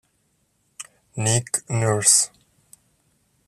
Nick Nurse